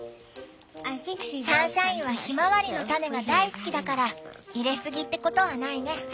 サンシャインはひまわりの種が大好きだから入れすぎってことはないね。